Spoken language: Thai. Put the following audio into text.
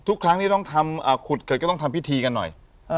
ทุกครั้งที่ต้องทำขุดเกิดก็ต้องทำพิธีกันหน่อย